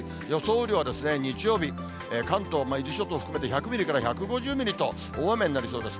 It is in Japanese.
雨量はですね、日曜日、関東、伊豆諸島を含めて１００ミリから１５０ミリと、大雨になりそうです。